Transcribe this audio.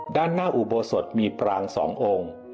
ด้านหน้าอุโบสถมีปราง๒องค์